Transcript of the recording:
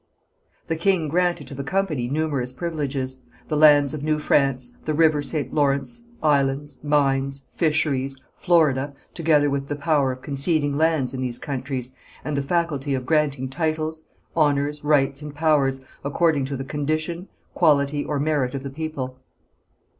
The king granted to the company numerous privileges, the lands of New France, the river St. Lawrence, islands, mines, fisheries, Florida, together with the power of conceding lands in these countries, and the faculty of granting titles, honours, rights and powers, according to the condition, quality, or merit of the people.